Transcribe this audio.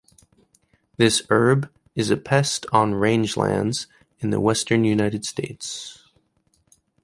This herb is a pest on rangelands in the western United States.